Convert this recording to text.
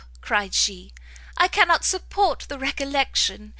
cried she; "I cannot support the recollection!